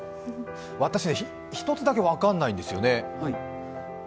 私ね、１つだけ分からないんですよね。